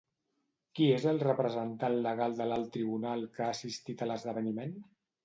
Qui és el representant legal de l'Alt Tribunal que ha assistit a l'esdeveniment?